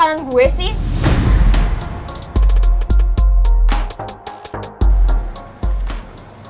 tapi gw gak mau tuh